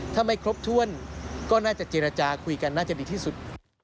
ถ้าไม่ครบถ้วนก็น่าจะเจรจาคุยกันน่าจะดีที่สุด